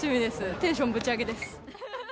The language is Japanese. テンションぶち上げです。